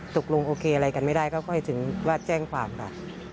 โอเคอะไรกันไม่ได้ก็ค่อยถึงว่าแจ้งความค่ะ